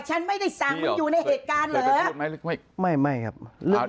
ฉันไม่ได้สั่งมันอยู่ในเหตุการณ์เหรอ